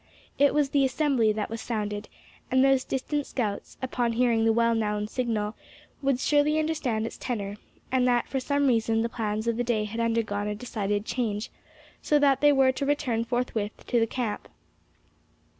It was the "assembly" that was sounded, and those distant scouts, upon hearing the well known signal, would surely understand its tenor; and that for some reason the plans of the day had undergone a decided change, so that they were to return forthwith to the camp.